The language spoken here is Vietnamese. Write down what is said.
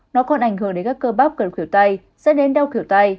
nó còn ảnh hưởng đến các cơ bắp cần khỉu tay dẫn đến đau khỉu tay